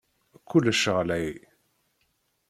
Kullec ɣlay.